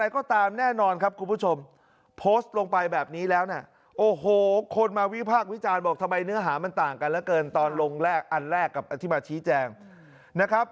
แกล้กกับอธิบาทชีแจงนะครับ